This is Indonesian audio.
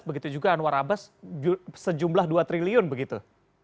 begitu juga anwar abbas sejumlah dua triliun begitu